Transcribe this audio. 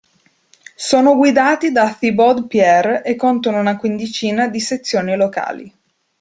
Sono guidati da Thibaud Pierre e contano una quindicina di sezioni locali.